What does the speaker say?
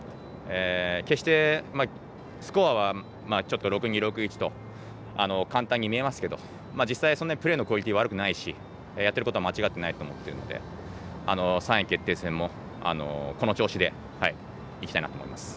決して、スコアはちょっと６−２、６−１と簡単に見えますけど実際にそんなにプレーの攻撃悪くないしやってることは間違ってないと思ってるので３位決定戦もこの調子でいきたいなと思います。